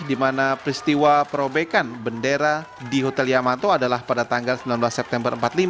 di mana peristiwa perobekan bendera di hotel yamato adalah pada tanggal sembilan belas september seribu empat puluh lima